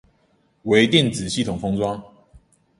微電子系統封裝